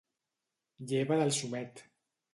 Lleva del xumet.